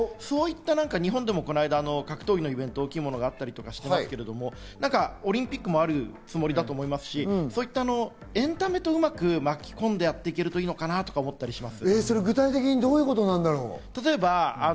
日本でも格闘技のイベント、この間、大きいものがあったりしましたが、オリンピックもあるつもりだと思いますし、エンタメとうまく巻き込んでやっていけるといいのかなと思ったりします。